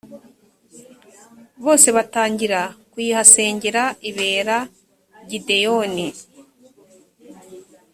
bose batangira kuyihasengera ibera gideyoni